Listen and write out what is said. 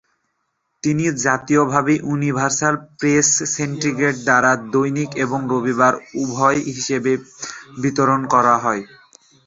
এটি জাতীয়ভাবে Universal Press Syndicate দ্বারা দৈনিক এবং রবিবার উভয় হিসাবে বিতরণ করা হয়।